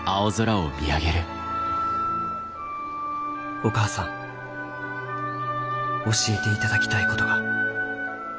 お義母さん教えていただきたいことが。